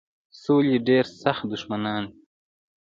سولي ډېر سخت دښمنان دي.